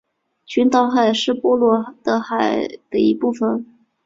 群岛海是波罗的海的一部份。